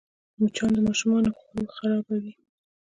مچان د ماشومانو خوړ خرابوي